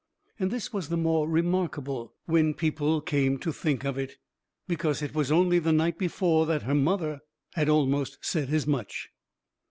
And this was the more remarkable, when people came to think of it, because it was only the night before that her mother had almost said as much.